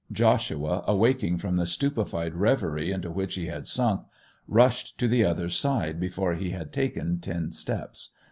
Joshua, awaking from the stupefied reverie into which he had sunk, rushed to the other's side before he had taken ten steps.